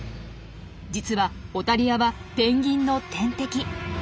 実はオタリアはペンギンの天敵。